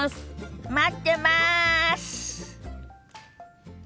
待ってます！